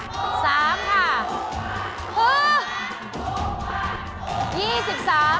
ถูกกว่าถูกกว่าถูกกว่า